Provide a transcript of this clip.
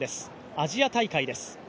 アジア大会です。